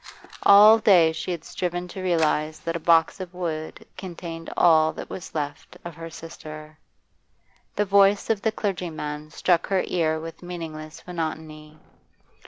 All day she had striven to realise that a box of wood contained all that was left of her sister. The voice of the clergyman struck her ear with meaningless monotony.